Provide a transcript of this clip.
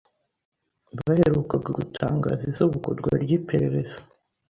baherukaga gutangaza isubukurwa ry’iperereza